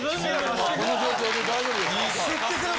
この状況で大丈夫ですか？